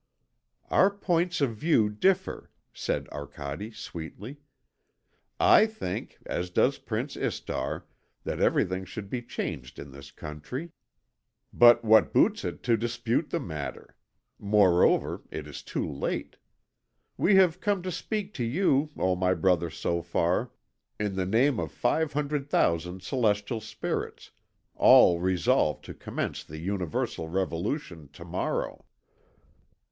"Our points of view differ," said Arcade sweetly. "I think, as does Prince Istar, that everything should be changed in this country. But what boots it to dispute the matter? Moreover, it is too late. We have come to speak to you, O my brother Sophar, in the name of five hundred thousand celestial spirits, all resolved to commence the universal revolution to morrow."